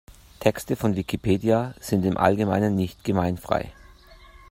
Texte von Wikipedia sind im Allgemeinen nicht gemeinfrei.